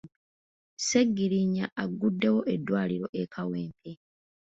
Segirinnya aggudewo eddwaliro e Kawempe.